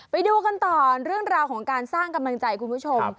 ไปดูกันต่อเรื่องราวของการสร้างกำลังใจคุณผู้ชม